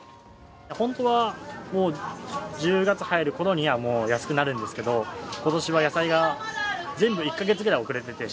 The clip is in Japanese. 本当はもう１０月入るころにはもう安くなるんですけど、ことしは野菜が全部１か月ぐらい遅れてて。